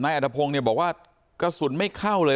นายอัทธพงศ์บอกว่ากระสุนไม่เข้าเลย